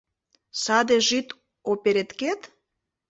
— Саде жид опереткет?